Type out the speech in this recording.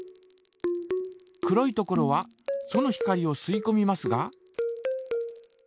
黒いところはその光をすいこみますが。